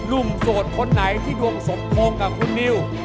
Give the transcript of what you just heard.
รุ่นโสดคนในที่ดวงสมครองกับคุณนิว